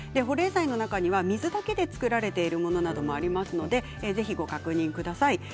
保冷剤の中には水だけで作られているものなどもありますのでぜひ、ご確認ください。